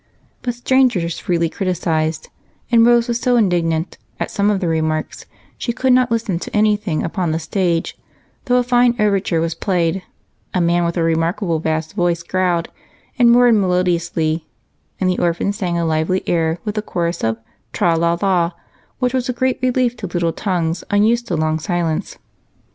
But strangers freely criticized, and Rose was so indignant at some of their remarks, she could not listen to anything on the stage, though a fine overture was played, a man with a remarkable bass voice growled and roared melodiously, and the orphans sang a lively air with a chorus of "Tra, la, la," which was a great relief to little tongues unused to long silence.